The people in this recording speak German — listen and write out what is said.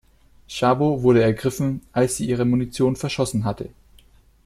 Szabo wurde ergriffen, als sie ihre Munition verschossen hatte.